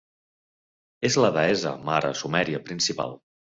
És la deessa-mare sumèria principal.